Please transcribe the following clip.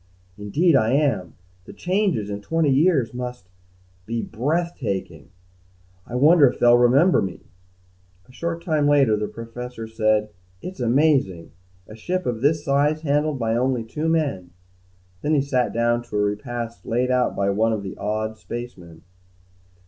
"Indeed, I am. The changes, in twenty years must be breathtaking. I wonder if they'll remember me?" A short time later, the Professor said, "It's amazing. A ship of this size handled by only two men." Then he sat down to a repast laid out by one of the awed spacemen.